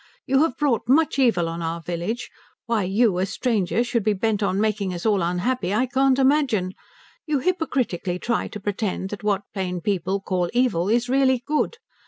You have brought much evil on our village why you, a stranger, should be bent on making us all unhappy I can't imagine. You hypocritically try to pretend that what plain people call evil is really good.